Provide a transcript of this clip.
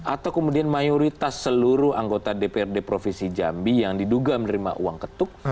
atau kemudian mayoritas seluruh anggota dprd provinsi jambi yang diduga menerima uang ketuk